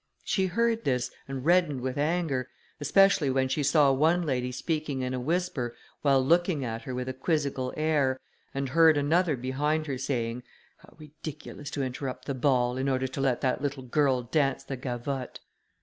She heard this, and reddened with anger, especially when she saw one lady speaking in a whisper, while looking at her with a quizzical air, and heard another behind her saying, "How ridiculous to interrupt the ball, in order to let that little girl dance the gavotte!"